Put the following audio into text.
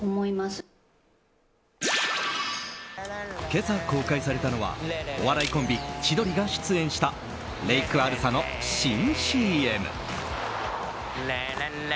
今朝、公開されたのはお笑いコンビ、千鳥が出演したレイクＡＬＳＡの新ＣＭ。